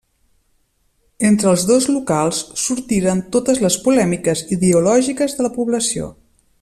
Entre els dos locals sortiren totes les polèmiques ideològiques de la població.